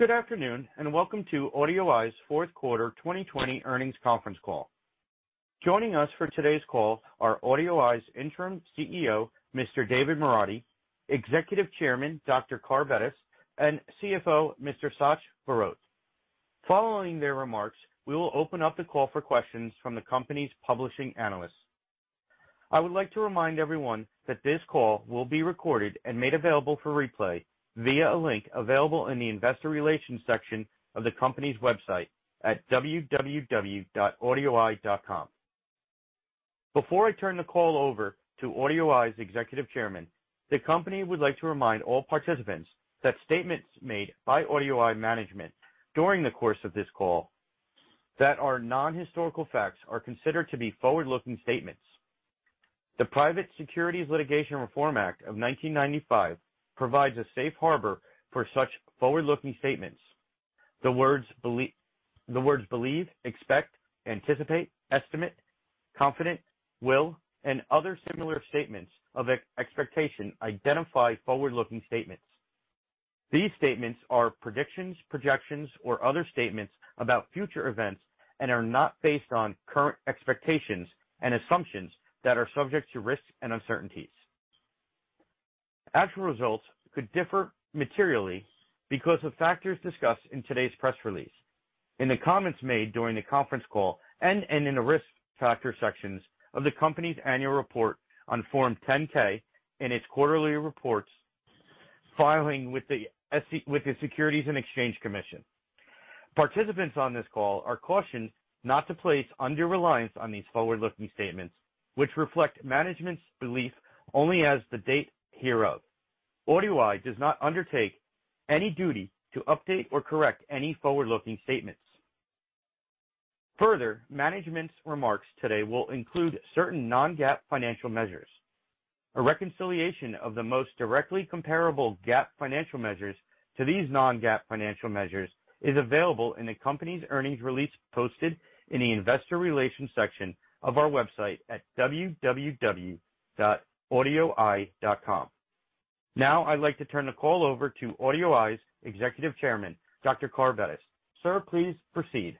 Good afternoon, and welcome to AudioEye's fourth quarter 2020 earnings conference call. Joining us for today's call are AudioEye's Interim CEO, Mr. David Moradi, Executive Chairman, Dr. Carr Bettis, and CFO, Mr. Sach Barot. Following their remarks, we will open up the call for questions from the company's publishing analysts. I would like to remind everyone that this call will be recorded and made available for replay via a link available in the investor relations section of the company's website at www.audioeye.com. Before I turn the call over to AudioEye's Executive Chairman, the company would like to remind all participants that statements made by AudioEye management during the course of this call that are non-historical facts are considered to be forward-looking statements. The Private Securities Litigation Reform Act of 1995 provides a safe harbor for such forward-looking statements. The words believe, expect, anticipate, estimate, confident, will, and other similar statements of expectation identify forward-looking statements. These statements are predictions, projections, or other statements about future events and are not based on current expectations and assumptions that are subject to risks and uncertainties. Actual results could differ materially because of factors discussed in today's press release, in the comments made during the conference call, and in the risk factor sections of the company's annual report on Form 10-K in its quarterly reports filing with the Securities and Exchange Commission. Participants on this call are cautioned not to place undue reliance on these forward-looking statements, which reflect management's belief only as the date hereof. AudioEye does not undertake any duty to update or correct any forward-looking statements. Further, management's remarks today will include certain non-GAAP financial measures. A reconciliation of the most directly comparable GAAP financial measures to these non-GAAP financial measures is available in the company's earnings release posted in the investor relations section of our website at www.audioeye.com. Now, I'd like to turn the call over to AudioEye's Executive Chairman, Dr. Carr Bettis. Sir, please proceed.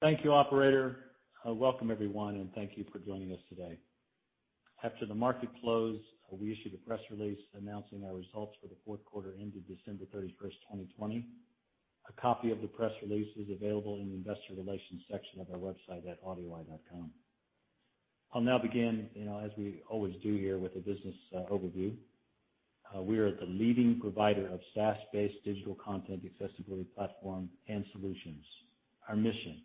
Thank you, operator. Welcome everyone, and thank you for joining us today. After the market close, we issued a press release announcing our results for the fourth quarter ended December 31st, 2020. A copy of the press release is available in the investor relations section of our website at audioeye.com. I'll now begin, as we always do here, with a business overview. We are the leading provider of SaaS-based digital content accessibility platform and solutions. Our mission: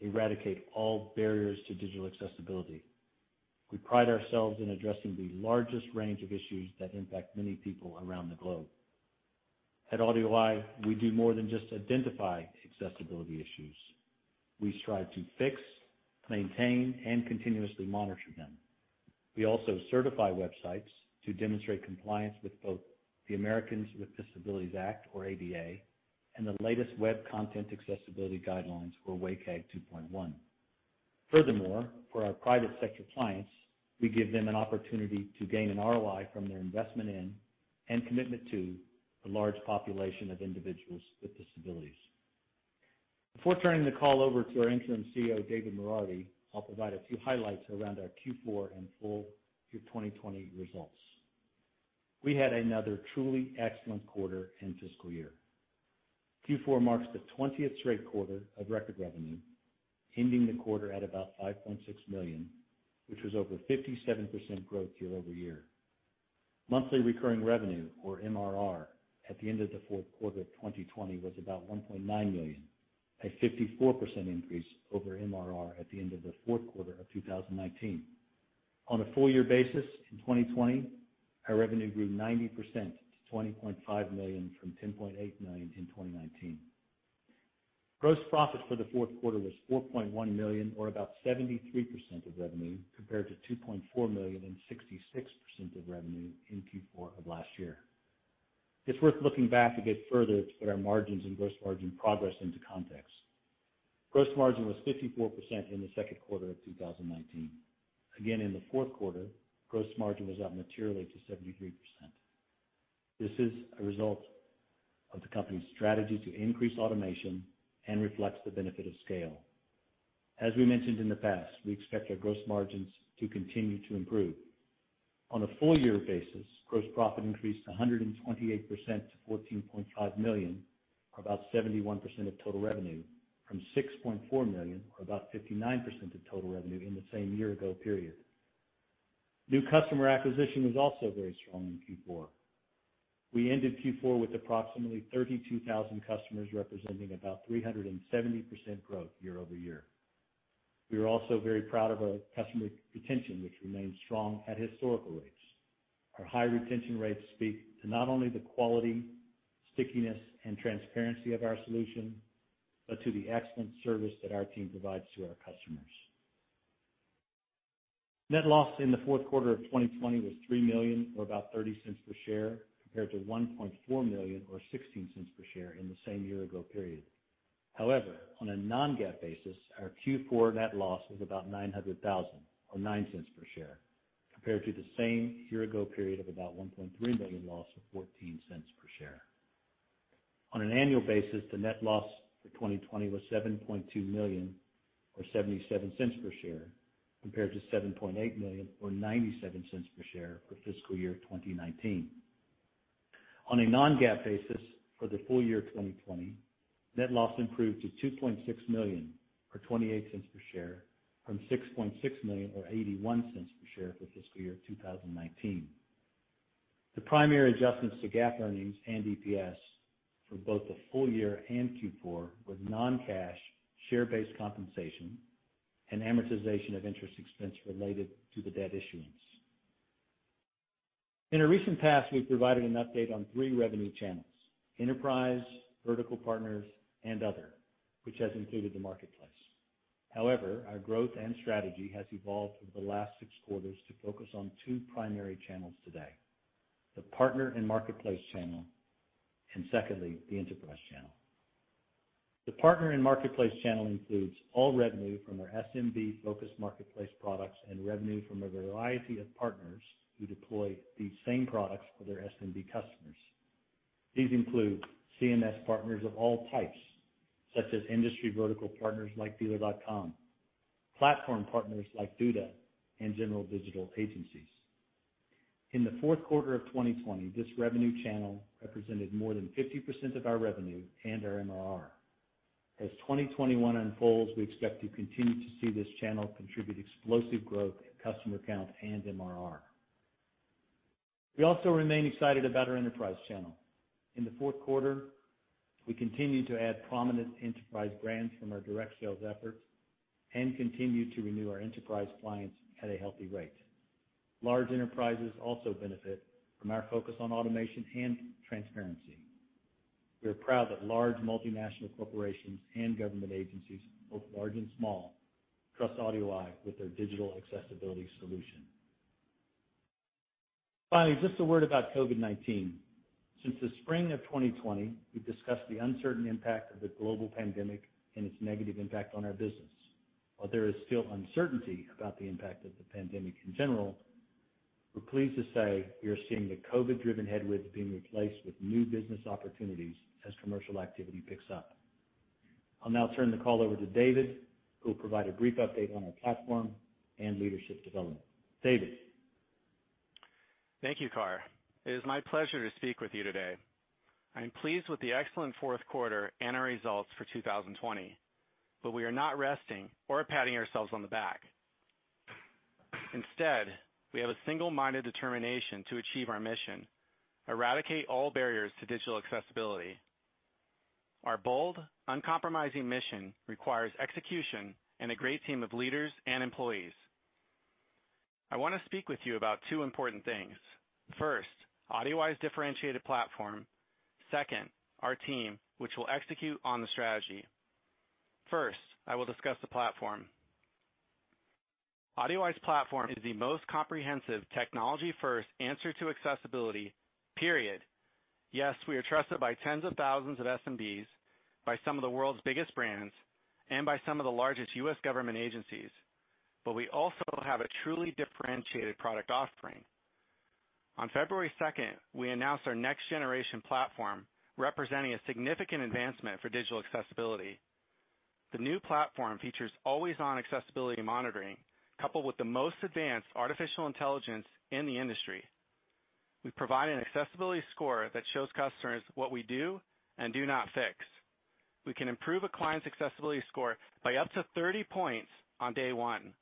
eradicate all barriers to digital accessibility. We pride ourselves in addressing the largest range of issues that impact many people around the globe. At AudioEye, we do more than just identify accessibility issues. We strive to fix, maintain, and continuously monitor them. We also certify websites to demonstrate compliance with both the Americans with Disabilities Act, or ADA, and the latest Web Content Accessibility Guidelines or WCAG 2.1. For our private sector clients, we give them an opportunity to gain an ROI from their investment in and commitment to the large population of individuals with disabilities. Before turning the call over to our interim CEO, David Moradi, I'll provide a few highlights around our Q4 and full-year 2020 results. We had another truly excellent quarter and fiscal year. Q4 marks the 20th straight quarter of record revenue, ending the quarter at about $5.6 million, which was over 57% growth year-over-year. Monthly recurring revenue or MRR at the end of the fourth quarter 2020 was about $1.9 million, a 54% increase over MRR at the end of the fourth quarter of 2019. On a full-year basis in 2020, our revenue grew 90% to $20.5 million from $10.8 million in 2019. Gross profit for the fourth quarter was $4.1 million, or about 73% of revenue, compared to $2.4 million and 66% of revenue in Q4 of last year. It's worth looking back again further to put our margins and gross margin progress into context. Gross margin was 54% in the second quarter of 2019. Again, in the fourth quarter, gross margin was up materially to 73%. This is a result of the company's strategy to increase automation and reflects the benefit of scale. As we mentioned in the past, we expect our gross margins to continue to improve. On a full-year basis, gross profit increased 128% to $14.5 million or about 71% of total revenue from $6.4 million or about 59% of total revenue in the same year ago period. New customer acquisition was also very strong in Q4. We ended Q4 with approximately 32,000 customers, representing about 370% growth year-over-year. We are also very proud of our customer retention, which remains strong at historical rates. Our high retention rates speak to not only the quality, stickiness, and transparency of our solution, but to the excellent service that our team provides to our customers. Net loss in the fourth quarter of 2020 was $3 million or about $0.30 per share, compared to $1.4 million or $0.16 per share in the same year-ago period. On a non-GAAP basis, our Q4 net loss was about $900,000, or $0.09 per share, compared to the same year-ago period of about $1.3 million loss of $0.14 per share. On an annual basis, the net loss for 2020 was $7.2 million, or $0.77 per share, compared to $7.8 million or $0.97 per share for fiscal year 2019. On a non-GAAP basis for the full year 2020, net loss improved to $2.6 million or $0.28 per share from $6.6 million or $0.81 per share for fiscal year 2019. The primary adjustments to GAAP earnings and EPS for both the full year and Q4 were non-cash share-based compensation and amortization of interest expense related to the debt issuance. In a recent past, we've provided an update on three revenue channels, enterprise, vertical partners, and other, which has included the marketplace. Our growth and strategy has evolved over the last six quarters to focus on two primary channels today, the partner and marketplace channel, and secondly, the enterprise channel. The partner and marketplace channel includes all revenue from our SMB-focused marketplace products and revenue from a variety of partners who deploy these same products for their SMB customers. These include CMS partners of all types, such as industry vertical partners like Dealer.com, platform partners like Duda, and general digital agencies. In the fourth quarter of 2020, this revenue channel represented more than 50% of our revenue and our MRR. As 2021 unfolds, we expect to continue to see this channel contribute explosive growth in customer count and MRR. We also remain excited about our enterprise channel. In the fourth quarter, we continued to add prominent enterprise brands from our direct sales efforts and continued to renew our enterprise clients at a healthy rate. Large enterprises also benefit from our focus on automation and transparency. We are proud that large multinational corporations and government agencies, both large and small, trust AudioEye with their digital accessibility solution. Finally, just a word about COVID-19. Since the spring of 2020, we've discussed the uncertain impact of the global pandemic and its negative impact on our business. While there is still uncertainty about the impact of the pandemic in general, we're pleased to say we are seeing the COVID-driven headwinds being replaced with new business opportunities as commercial activity picks up. I'll now turn the call over to David, who will provide a brief update on our platform and leadership development. David. Thank you, Carr. It is my pleasure to speak with you today. I am pleased with the excellent fourth quarter and our results for 2020, but we are not resting or patting ourselves on the back. Instead, we have a single-minded determination to achieve our mission, eradicate all barriers to digital accessibility. Our bold, uncompromising mission requires execution and a great team of leaders and employees. I want to speak with you about two important things. First, AudioEye's differentiated platform. Second, our team, which will execute on the strategy. First, I will discuss the platform. AudioEye's platform is the most comprehensive technology-first answer to accessibility, period. Yes, we are trusted by tens of thousands of SMBs, by some of the world's biggest brands, and by some of the largest U.S. government agencies, but we also have a truly differentiated product offering. On February 2nd, we announced our next-generation platform, representing a significant advancement for digital accessibility. The new platform features always-on accessibility monitoring, coupled with the most advanced artificial intelligence in the industry. We provide an accessibility score that shows customers what we do and do not fix. We can improve a client's accessibility score by up to 30 points on day one.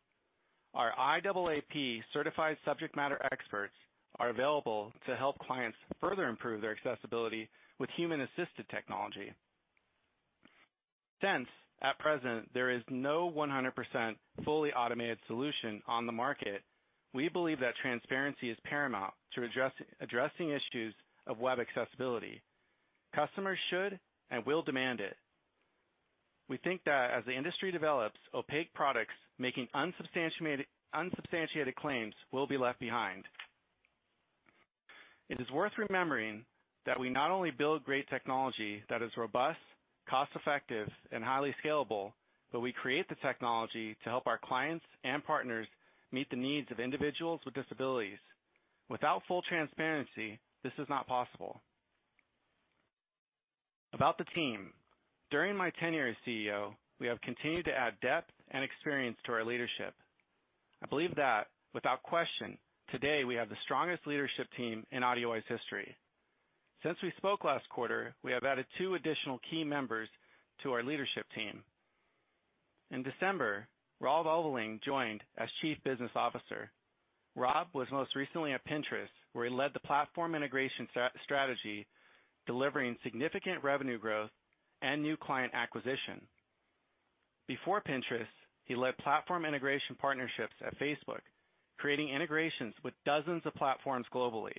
Our IAAP-certified subject matter experts are available to help clients further improve their accessibility with human-assisted technology. Since, at present, there is no 100% fully automated solution on the market, we believe that transparency is paramount to addressing issues of web accessibility. Customers should and will demand it. We think that as the industry develops, opaque products making unsubstantiated claims will be left behind. It is worth remembering that we not only build great technology that is robust, cost-effective, and highly scalable, but we create the technology to help our clients and partners meet the needs of individuals with disabilities. Without full transparency, this is not possible. About the team. During my tenure as CEO, we have continued to add depth and experience to our leadership. I believe that, without question, today we have the strongest leadership team in AudioEye's history. Since we spoke last quarter, we have added two additional key members to our leadership team. In December, Rob Ulveling joined as Chief Business Officer. Rob was most recently at Pinterest, where he led the platform integration strategy, delivering significant revenue growth and new client acquisition. Before Pinterest, he led platform integration partnerships at Facebook, creating integrations with dozens of platforms globally.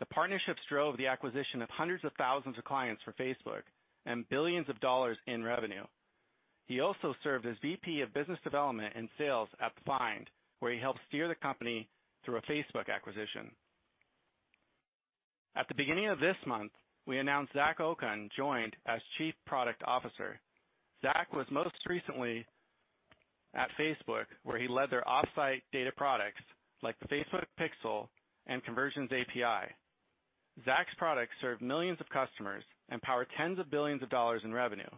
The partnerships drove the acquisition of hundreds of thousands of clients for Facebook and billions of dollars in revenue. He also served as VP of business development and sales at Fynd, where he helped steer the company through a Facebook acquisition. At the beginning of this month, we announced Zach Okun joined as Chief Product Officer. Zach was most recently at Facebook, where he led their off-site data products like the Facebook Pixel and Conversions API. Zach's products serve millions of customers and power tens of billions of dollars in revenue.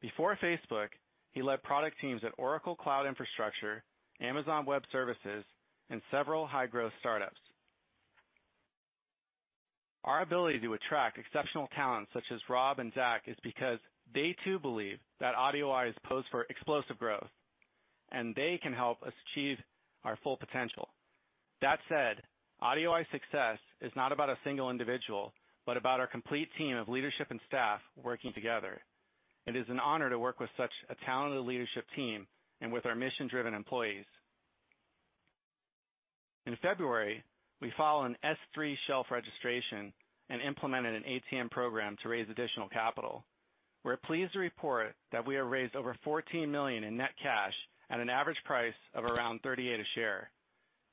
Before Facebook, he led product teams at Oracle Cloud Infrastructure, Amazon Web Services, and several high-growth startups. Our ability to attract exceptional talent such as Rob and Zach is because they too believe that AudioEye is posed for explosive growth, and they can help us achieve our full potential. That said, AudioEye's success is not about a single individual, but about our complete team of leadership and staff working together. It is an honor to work with such a talented leadership team and with our mission-driven employees. In February, we filed an S-3 shelf registration and implemented an ATM program to raise additional capital. We're pleased to report that we have raised over $14 million in net cash at an average price of around $38 a share.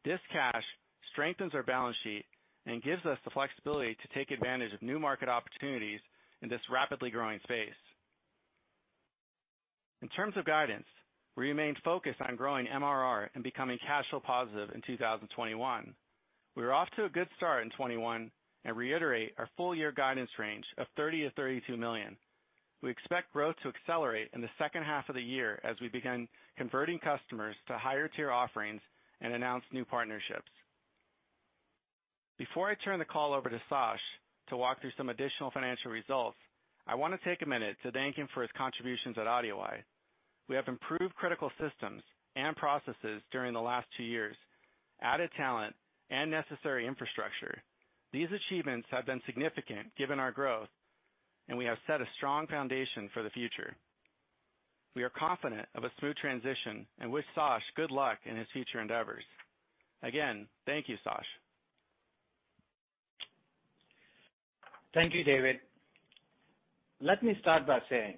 This cash strengthens our balance sheet and gives us the flexibility to take advantage of new market opportunities in this rapidly growing space. In terms of guidance, we remain focused on growing MRR and becoming cash flow positive in 2021. We are off to a good start in 2021 and reiterate our full year guidance range of $30 million-$32 million. We expect growth to accelerate in the second half of the year as we begin converting customers to higher tier offerings and announce new partnerships. Before I turn the call over to Sach to walk through some additional financial results, I want to take a minute to thank him for his contributions at AudioEye. We have improved critical systems and processes during the last two years, added talent and necessary infrastructure. These achievements have been significant given our growth, and we have set a strong foundation for the future. We are confident of a smooth transition and wish Sach good luck in his future endeavors. Again, thank you, Sach. Thank you, David. Let me start by saying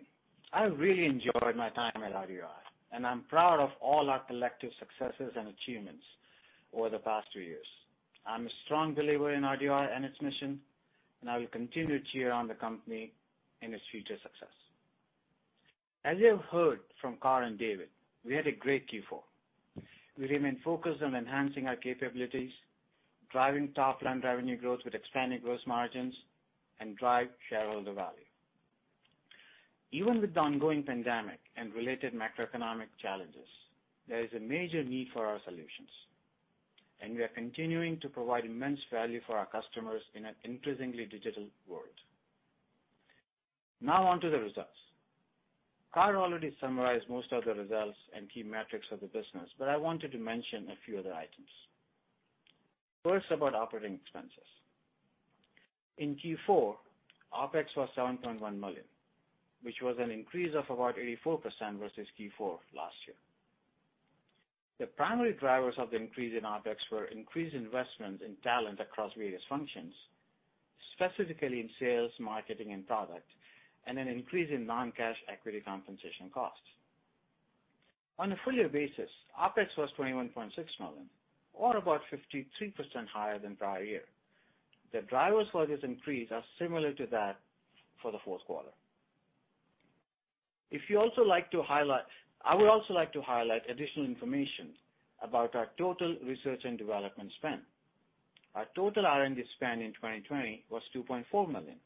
I really enjoyed my time at AudioEye, and I'm proud of all our collective successes and achievements over the past two years. I'm a strong believer in AudioEye and its mission, and I will continue to cheer on the company in its future success. As you have heard from Carr and David, we had a great Q4. We remain focused on enhancing our capabilities, driving top-line revenue growth with expanding gross margins, and drive shareholder value. Even with the ongoing pandemic and related macroeconomic challenges, there is a major need for our solutions, and we are continuing to provide immense value for our customers in an increasingly digital world. On to the results. Carr Already summarized most of the results and key metrics of the business, but I wanted to mention a few other items. First, about operating expenses. In Q4, OpEx was $7.1 million, which was an increase of about 84% versus Q4 last year. The primary drivers of the increase in OpEx were increased investments in talent across various functions, specifically in sales, marketing, and product, and an increase in non-cash equity compensation costs. On a full year basis, OpEx was $21.6 million, or about 53% higher than prior year. The drivers for this increase are similar to that for the fourth quarter. I would also like to highlight additional information about our total research and development spend. Our total R&D spend in 2020 was $2.4 million.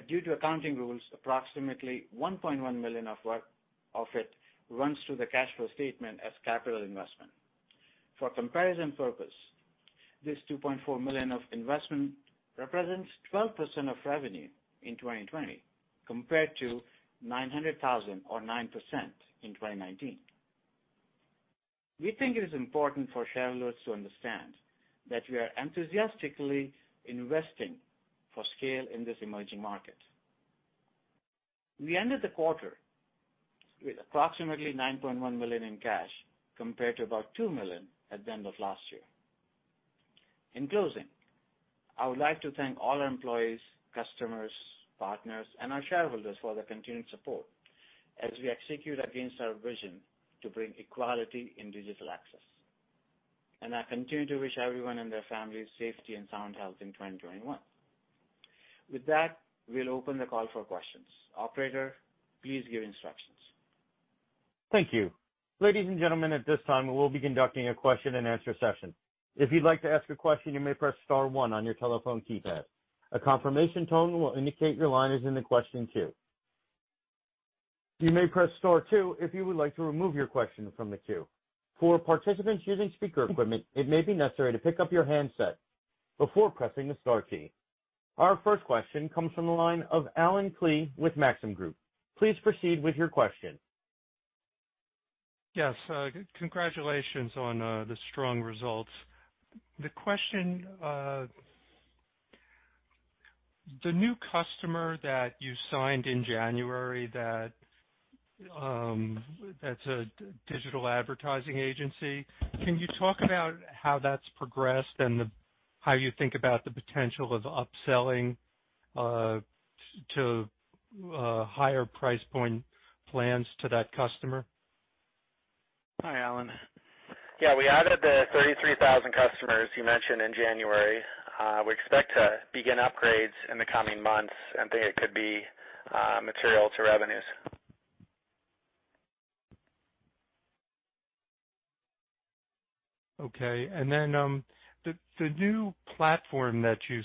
Due to accounting rules, approximately $1.1 million of it runs through the cash flow statement as capital investment. For comparison purpose, this $2.4 million of investment represents 12% of revenue in 2020, compared to $900,000 or 9% in 2019. We think it is important for shareholders to understand that we are enthusiastically investing for scale in this emerging market. We ended the quarter with approximately $9.1 million in cash compared to about $2 million at the end of last year. In closing, I would like to thank all our employees, customers, partners, and our shareholders for their continued support as we execute against our vision to bring equality in digital access. I continue to wish everyone and their families safety and sound health in 2021. With that, we'll open the call for questions. Operator, please give instructions. Thank you. Ladies and gentlemen at this time we will be conducting a question and answer session. If you would like to ask a question you may press star one on your telephone keypad. A confirmation tone will indicate that your line is in the question queue. You may press star two if you would like to remove your question from the queue. For participants using speaker phones it may be necessary to pick up your handset before pressing the star key. Our first question comes from the line of Allen Klee with Maxim Group. Please proceed with your question. Yes. Congratulations on the strong results. The question, the new customer that you signed in January that is a digital advertising agency, can you talk about how that has progressed and how you think about the potential of upselling to higher price point plans to that customer? Hi, Allen. We added the 33,000 customers you mentioned in January. We expect to begin upgrades in the coming months and think it could be material to revenues. Okay, the new platform that you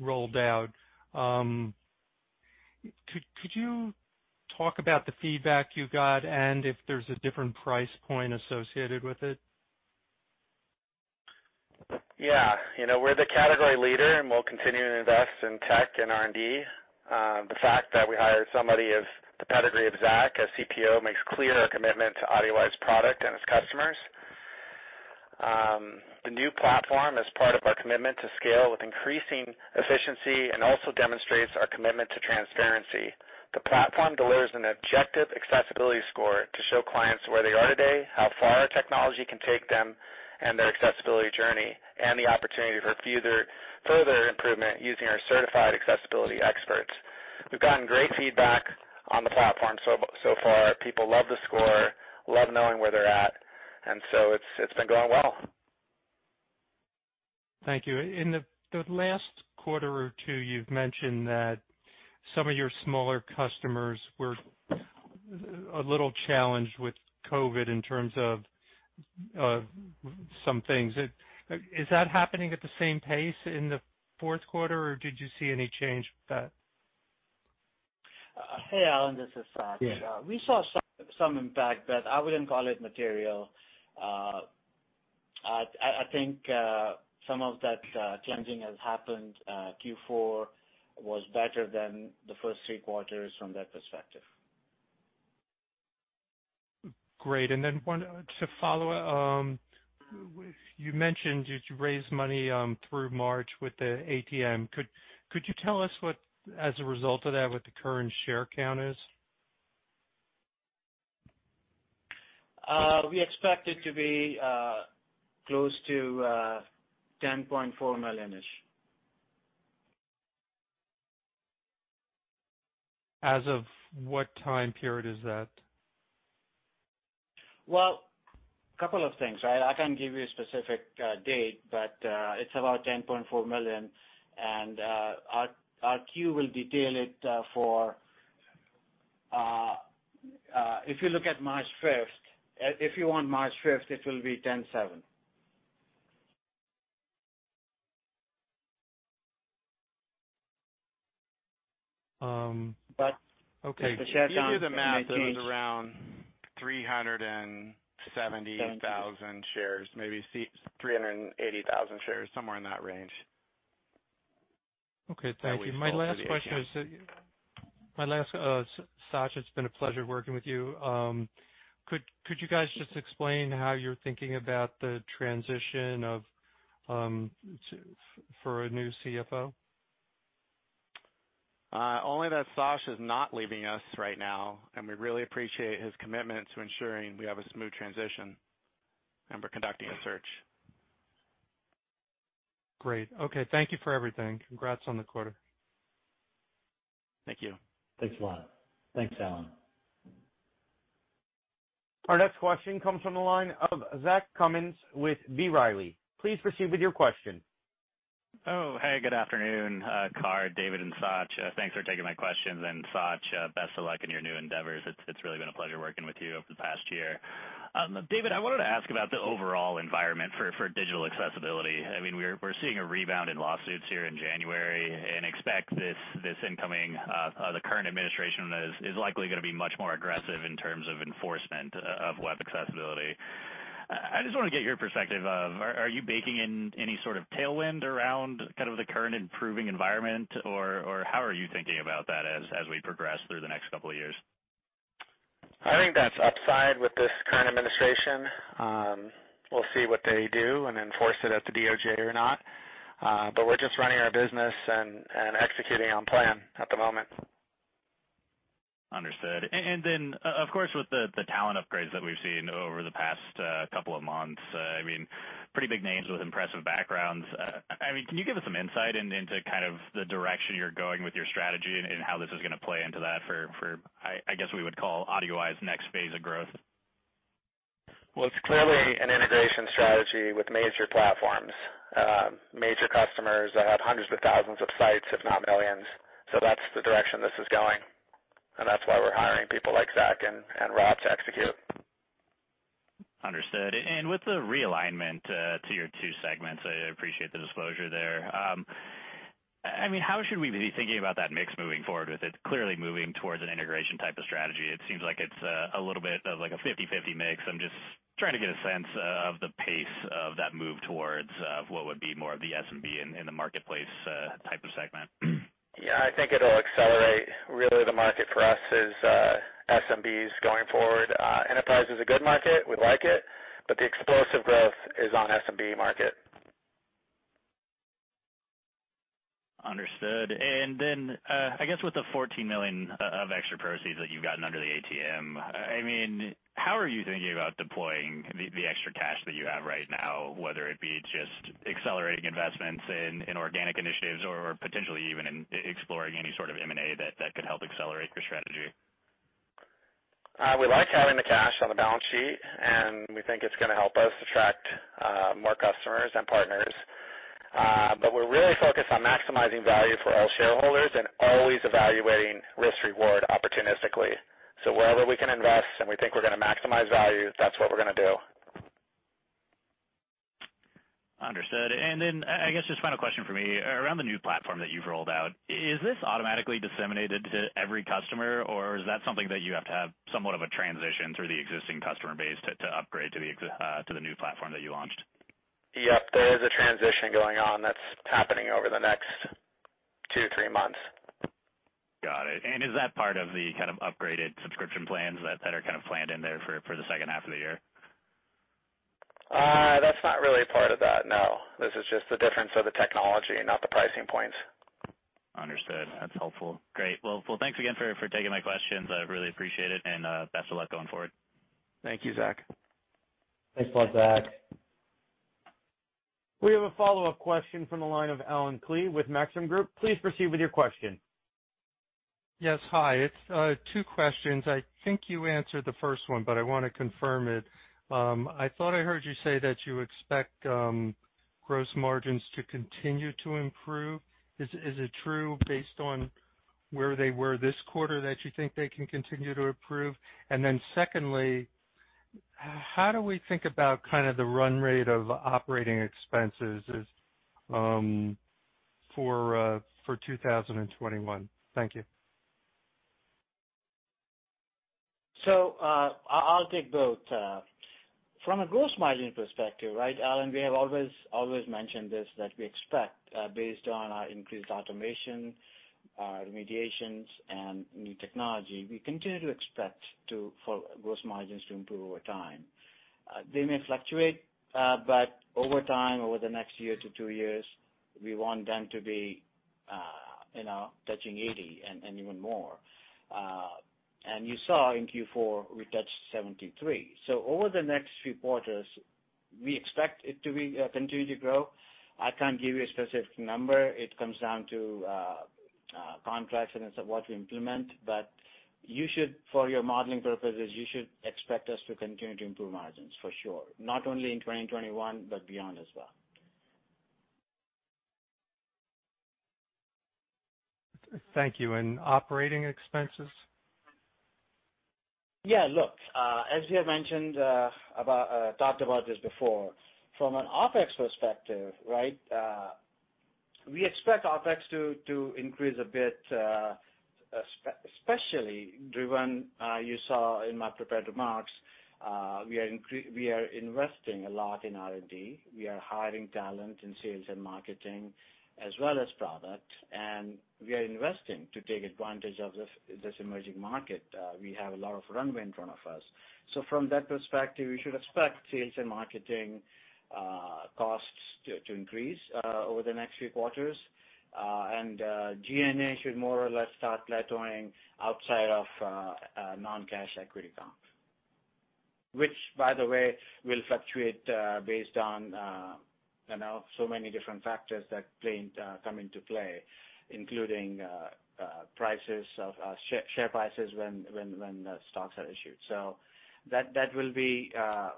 rolled out, could you talk about the feedback you got and if there's a different price point associated with it? Yeah. We're the category leader, and we'll continue to invest in tech and R&D. The fact that we hired somebody of the pedigree of Zach as CPO makes clear our commitment to AudioEye's product and its customers. The new platform is part of our commitment to scale with increasing efficiency and also demonstrates our commitment to transparency. The platform delivers an objective accessibility score to show clients where they are today, how far our technology can take them in their accessibility journey, and the opportunity for further improvement using our certified accessibility experts. We've gotten great feedback on the platform so far. People love the score, love knowing where they're at. It's been going well. Thank you. In the last quarter or two, you've mentioned that some of your smaller customers were a little challenged with COVID in terms of some things. Is that happening at the same pace in the fourth quarter, or did you see any change with that? Hey, Allen, this is Sach. Yeah. We saw some impact, but I wouldn't call it material. I think some of that changing has happened. Q4 was better than the first three quarters from that perspective. Great. To follow up, you mentioned that you raised money through March with the ATM. Could you tell us, as a result of that, what the current share count is? We expect it to be close to $10.4 million-ish. As of what time period is that? Well, couple of things, right? I can't give you a specific date, but it's about $10.4 million. Our Q will detail it for If you look at March 5th, if you want March 5th, it will be $10.7 million. Okay. The share count may change. If you do the math, it was around 370,000 shares, maybe 380,000 shares, somewhere in that range. Okay. Thank you. That we've sold to the ATM. My last question is, Sach, it's been a pleasure working with you. Could you guys just explain how you're thinking about the transition for a new CFO? Only that Sach is not leaving us right now, and we really appreciate his commitment to ensuring we have a smooth transition, and we're conducting a search. Great. Okay. Thank you for everything. Congrats on the quarter. Thank you. Thanks a lot. Thanks, Allen. Our next question comes from the line of Zach Cummins with B. Riley. Please proceed with your question. Oh, hey, good afternoon, Carr, David, and Sach. Thanks for taking my questions. Sach, best of luck in your new endeavors. It's really been a pleasure working with you over the past year. David, I wanted to ask about the overall environment for digital accessibility. We're seeing a rebound in lawsuits here in January and expect the current administration is likely going to be much more aggressive in terms of enforcement of web accessibility. I just want to get your perspective of, are you baking in any sort of tailwind around the current improving environment, or how are you thinking about that as we progress through the next couple of years? I think that's upside with this current administration. We'll see what they do and enforce it at the DOJ or not. We're just running our business and executing on plan at the moment. Understood. Of course, with the talent upgrades that we've seen over the past couple of months, pretty big names with impressive backgrounds. Can you give us some insight into the direction you're going with your strategy and how this is going to play into that for, I guess we would call AudioEye's next phase of growth? Well, it's clearly an integration strategy with major platforms, major customers that have hundreds of thousands of sites, if not millions. That's the direction this is going, and that's why we're hiring people like Zach and Rob to execute. Understood. With the realignment to your two segments, I appreciate the disclosure there. How should we be thinking about that mix moving forward with it clearly moving towards an integration type of strategy? It seems like it's a little bit of a 50/50 mix. I'm just trying to get a sense of the pace of that move towards what would be more of the SMB in the marketplace type of segment. Yeah, I think it'll accelerate. Really the market for us is SMBs going forward. Enterprise is a good market. We like it, but the explosive growth is on SMB market. Understood. I guess with the $14 million of extra proceeds that you've gotten under the ATM, how are you thinking about deploying the extra cash that you have right now, whether it be just accelerating investments in organic initiatives or potentially even in exploring any sort of M&A that could help accelerate your strategy? We like having the cash on the balance sheet, and we think it's going to help us attract more customers and partners. We're really focused on maximizing value for all shareholders and always evaluating risk-reward opportunistically. Wherever we can invest and we think we're going to maximize value, that's what we're going to do. Understood. I guess just final question from me. Around the new platform that you've rolled out, is this automatically disseminated to every customer, or is that something that you have to have somewhat of a transition through the existing customer base to upgrade to the new platform that you launched? Yep. There is a transition going on that's happening over the next two, three months. Got it. Is that part of the upgraded subscription plans that are kind of planned in there for the second half of the year? That's not really a part of that, no. This is just the difference of the technology, not the pricing points. Understood. That's helpful. Great. Thanks again for taking my questions. I really appreciate it, and best of luck going forward. Thank you, Zach. Thanks a lot, Zach. We have a follow-up question from the line of Allen Klee with Maxim Group. Please proceed with your question. Yes, hi. It's two questions. I think you answered the first one, but I want to confirm it. I thought I heard you say that you expect gross margins to continue to improve. Is it true based on where they were this quarter that you think they can continue to improve? Secondly, how do we think about kind of the run rate of operating expenses for 2021? Thank you. I'll take both. From a gross margin perspective, right, Allen, we have always mentioned this, that we expect, based on our increased automation, our remediations, and new technology, we continue to expect for gross margins to improve over time. They may fluctuate, but over time, over the next year to two years, we want them to be touching 80 and even more. You saw in Q4, we touched 73. Over the next few quarters, we expect it to continue to grow. I can't give you a specific number. It comes down to contracts and what we implement. For your modeling purposes, you should expect us to continue to improve margins, for sure. Not only in 2021, but beyond as well. Thank you. operating expenses? Look, as we have talked about this before, from an OpEx perspective, we expect OpEx to increase a bit, especially driven, you saw in my prepared remarks, we are investing a lot in R&D. We are hiring talent in sales and marketing as well as product. We are investing to take advantage of this emerging market. We have a lot of runway in front of us. From that perspective, you should expect sales and marketing costs to increase over the next few quarters. G&A should more or less start plateauing outside of non-cash equity comp, which, by the way, will fluctuate based on so many different factors that come into play, including share prices when stocks are issued. That will be a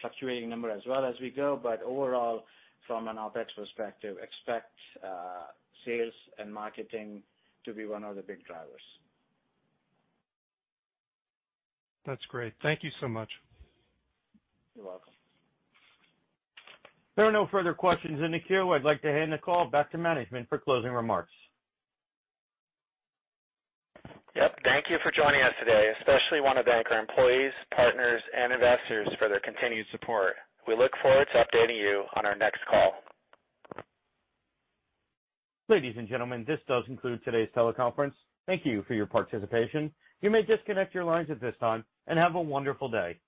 fluctuating number as well as we go. Overall, from an OpEx perspective, expect sales and marketing to be one of the big drivers. That's great. Thank you so much. You're welcome. There are no further questions in the queue. I'd like to hand the call back to management for closing remarks. Yep. Thank you for joining us today, especially want to thank our employees, partners, and investors for their continued support. We look forward to updating you on our next call. Ladies and gentlemen, this does conclude today's teleconference. Thank you for your participation. You may disconnect your lines at this time. Have a wonderful day.